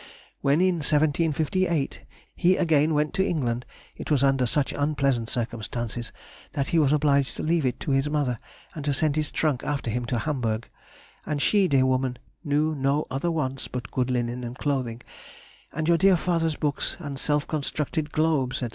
When in 1758 he again went to England, it was under such unpleasant circumstances that he was obliged to leave it to his mother to send his trunk after him to Hamburg; and she, dear woman, knew no other wants but good linen and clothing, and your dear father's books and self constructed globes, &c.